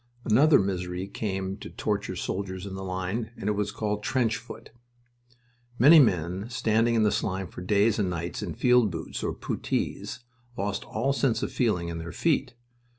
Another misery came to torture soldiers in the line, and it was called "trench foot." Many men standing in slime for days and nights in field boots or puttees lost all sense of feeling in their feet.